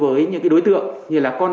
bộ ngoan còn ưu tiên xét tuyển thẳng